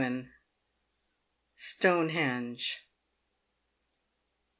STONEHENGE.